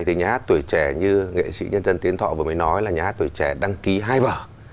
thì nhà hát tuổi trẻ như nghệ sĩ nhân dân tiến thọ vừa mới nói là nhà hát tuổi trẻ đăng ký hai vở